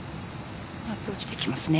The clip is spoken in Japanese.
アプローチできますね。